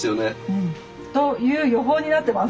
うん。という予報になってます。